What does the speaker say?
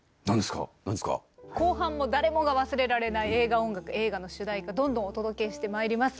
後半も誰もが忘れられない映画音楽映画の主題歌どんどんお届けしてまいります。